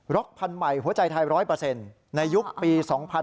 พันธุ์ใหม่หัวใจไทย๑๐๐ในยุคปี๒๕๕๙